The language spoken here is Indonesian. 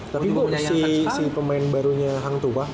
tapi gue masih pemain barunya hang tuah